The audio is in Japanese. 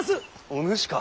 お主か。